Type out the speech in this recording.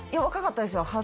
若かったですよ